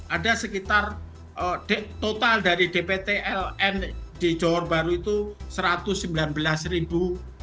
ada sekitar total dari dpt ln di johor bahru itu satu ratus sembilan belas ribu